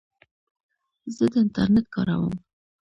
زه د انټرنیټ کاروم.